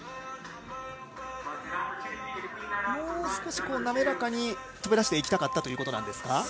もう少し滑らかに飛び出していきたかったということですか。